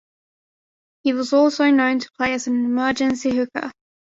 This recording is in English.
He was also known to play as an emergency hooker.